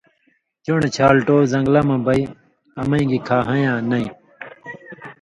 چُن٘ڑوۡ چھال ٹو زن٘گلہ مہ بئ امَیں گی کھا ہَیں یاں نَیں